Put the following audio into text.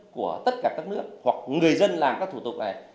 của tất cả các nước hoặc người dân làm các thủ tục này